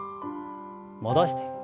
戻して。